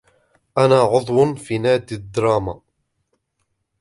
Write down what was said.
أنا عضو في نادي الدراما.